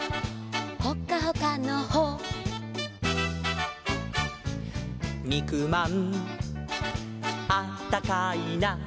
「ほっかほかのほ」「にくまんあったかいな」